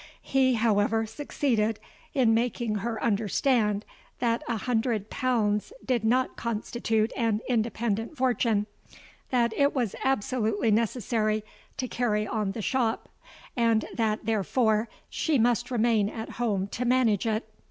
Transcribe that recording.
He however succeeded in making her understand that a hundred pounds did not constitute an independent fortune,—that it was absolutely necessary to carry on the shop,—and that therefore she must remain at home to manage it.